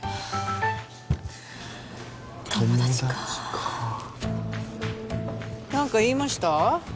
友達か友達か何か言いました？